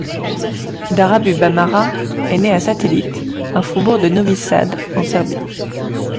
Dara Bubamara est née à Satelit, un faubourg de Novi Sad, en Serbie.